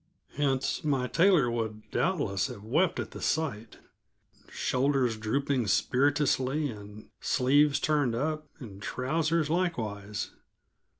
Hence my tailor would doubtless have wept at the sight; shoulders drooping spiritlessly, and sleeves turned up, and trousers likewise.